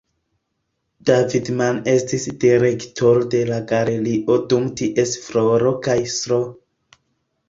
David Mann estis direktoro de la galerio dum ties floro kaj Sro.